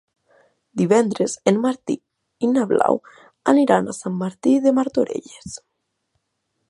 Divendres en Martí i na Blau aniran a Santa Maria de Martorelles.